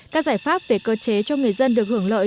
các giải pháp về cơ chế cho người dân được hưởng lợi